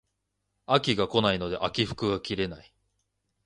秋が来ないので秋服が着れない